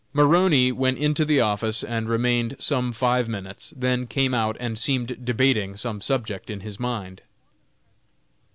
Maroney went into the office and remained some five minutes, then came out, and seemed debating some subject in his mind.